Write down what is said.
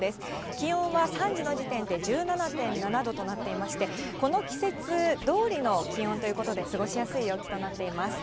気温は３時の時点で１７．７度となっていまして、この季節どおりの気温ということで、過ごしやすい陽気となっています。